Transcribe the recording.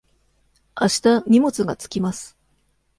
あした荷物が着きます。